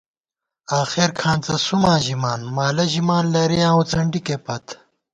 آخېر کھانڅہ سُماں ژِمان، مالہ ژِمان ، لَرِیاں وُڅَنڈِکےپت